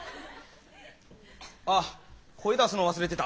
あ声出すの忘れてた。